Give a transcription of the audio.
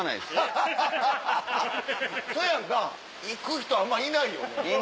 そうやんか行く人あんまいないよね。